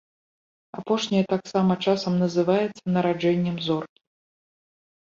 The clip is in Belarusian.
Апошняе таксама часам называецца нараджэннем зоркі.